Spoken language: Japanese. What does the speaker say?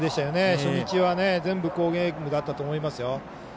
初日は全部好ゲームだったと思いますよ。